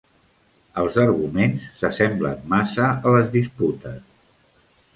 Els arguments s'assemblen massa a les disputes.